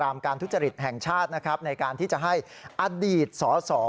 การทุจริตแห่งชาตินะครับในการที่จะให้อดีตสอสอ